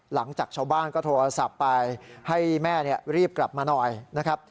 หลังจากชาวบ้านก็โทรศัพท์ไปให้แม่รีบกลับมาหน่อยนะครับ